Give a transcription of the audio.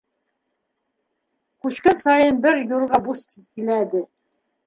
Күчкән сайын бер юрға бус киләде.